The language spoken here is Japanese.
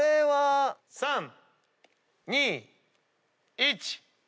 ３２１。